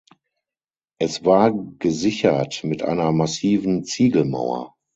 Es war gesichert mit einer massiven Ziegelmauer.